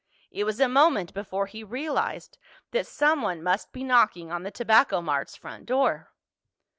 It was a moment before he realized that someone must be knocking on the Tobacco Mart's front door.